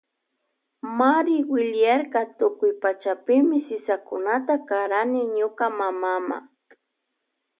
Mari willarka tukuy pachami sisakunata karani ñuka mamama.